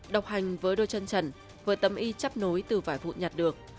độc hành với đôi chân trần với tấm y chắp nối từ vài vụ nhặt được